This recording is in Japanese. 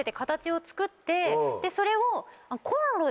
それを。